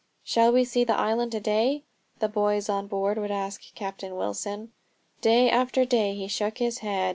"Shall we see the island to day?" the boys on board would ask Captain Wilson. Day after day he shook his head.